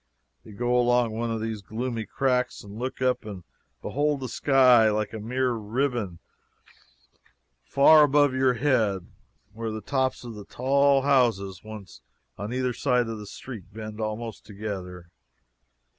You go along one of these gloomy cracks, and look up and behold the sky like a mere ribbon of light, far above your head, where the tops of the tall houses on either side of the street bend almost together.